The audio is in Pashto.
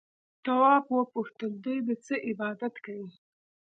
تواب وپوښتل دوی د څه عبادت کوي؟